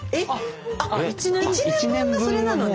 あっ１年分がそれなのね。